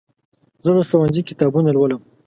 زه د ښوونځي کتابونه لولم.